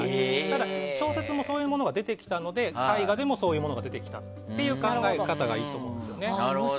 ただ、小説もそういうものが出てきたので絵画でもそういうものができたという考え方がいいと思うんですよね。